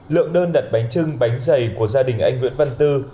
lượng đơn đặt bánh trưng bánh dày của gia đình anh nguyễn văn tư